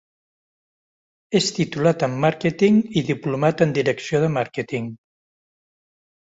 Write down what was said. És titulat en màrqueting i diplomat en direcció de màrqueting.